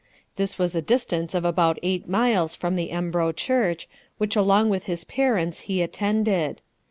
This was a distance of about eight miles from the Embro church, which along with his parents he attended.